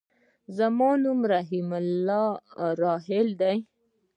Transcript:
زما نوم رحيم الله راحل دی.